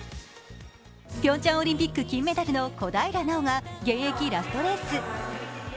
ピョンチャンオリンピック金メダルの小平奈緒が現役ラストレース。